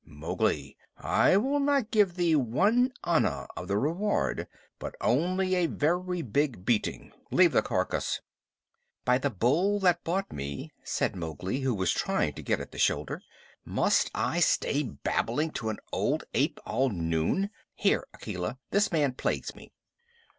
Mowgli, I will not give thee one anna of the reward, but only a very big beating. Leave the carcass!" "By the Bull that bought me," said Mowgli, who was trying to get at the shoulder, "must I stay babbling to an old ape all noon? Here, Akela, this man plagues me."